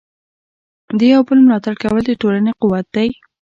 د یو بل ملاتړ کول د ټولنې قوت دی.